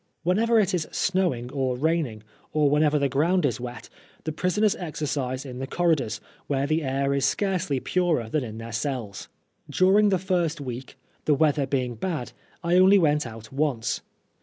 Whenever it is snowing or raining, or whenever the ground is wet, the prisoners exercise in the corridors, where the air is scarcely purer than in their cells. During the first week, the weather being bad, I only went out once.